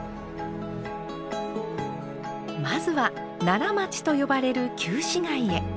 まずは「奈良町」と呼ばれる旧市街へ。